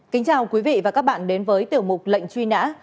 kính chào quý vị và các bạn đến với tiểu mục lệnh truy nã